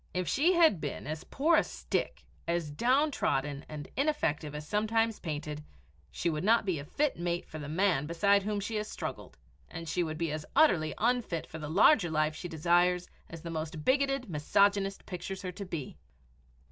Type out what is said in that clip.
If she had been as poor a stick, as downtrodden and ineffective as sometimes painted, she would not be a fit mate for the man beside whom she has struggled, and she would be as utterly unfit for the larger life she desires as the most bigoted misogynist pictures her to be.